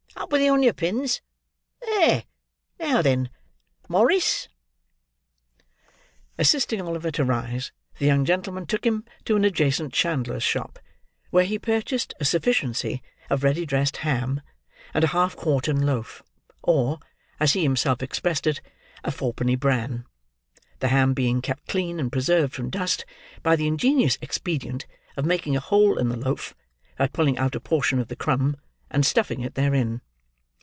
Up with you on your pins. There! Now then! Morrice!" Assisting Oliver to rise, the young gentleman took him to an adjacent chandler's shop, where he purchased a sufficiency of ready dressed ham and a half quartern loaf, or, as he himself expressed it, "a fourpenny bran!" the ham being kept clean and preserved from dust, by the ingenious expedient of making a hole in the loaf by pulling out a portion of the crumb, and stuffing it therein.